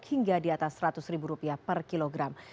hingga di atas seratus ribu rupiah per kilogram